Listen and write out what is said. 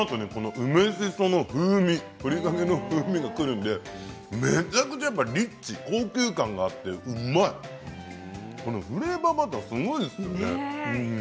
梅しその風味ふりかけの風味がくるんでめちゃくちゃリッチ高級感があって、うまい！フレーバーバター、すごいですね。